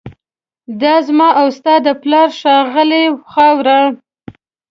دا زما او ستا د پلار ښاغلې خاوره